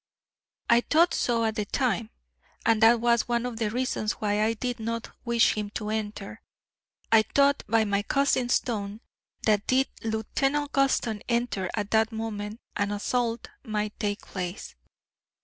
"I thought so at the time, and that was one of the reasons why I did not wish him to enter. I thought by my cousin's tone that did Lieutenant Gulston enter at that moment an assault might take place."